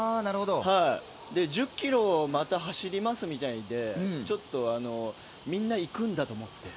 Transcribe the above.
１０ｋｍをまた走りますってなってちょっとみんな行くんだと思って。